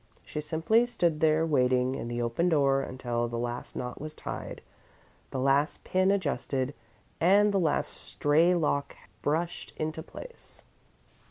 She simply stood there, waiting, in the open door, until the last knot was tied, the last pin adjusted, and the last stray lock brushed into place.